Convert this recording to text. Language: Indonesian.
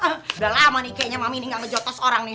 ah udah lama nih kayaknya mami ini gak ngejotos orang nih